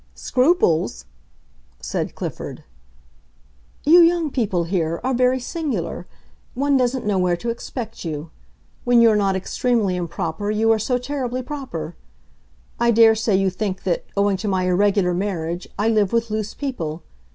"Scruples?" said Clifford. "You young people, here, are very singular; one doesn't know where to expect you. When you are not extremely improper you are so terribly proper. I dare say you think that, owing to my irregular marriage, I live with loose people.